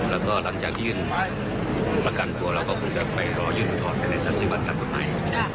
แล้วก็หลังจากยื่นประกันตัวเราก็คงก็ไปรอยื่นและถอดสัมภัย๓๐วันครับคุณหมาย